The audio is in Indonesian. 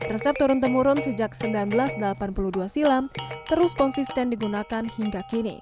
resep turun temurun sejak seribu sembilan ratus delapan puluh dua silam terus konsisten digunakan hingga kini